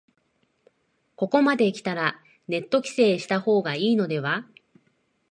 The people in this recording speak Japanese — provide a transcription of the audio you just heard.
ここまできたらネット規制した方がいいのでは